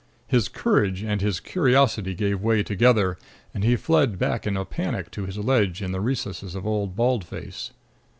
His courage and his curiosity gave way together, and he fled back in a panic to his ledge in the recesses of Old Bald Face.